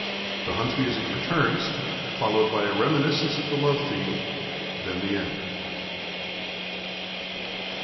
The hunt music returns, followed by a reminiscence of the love theme; then the end.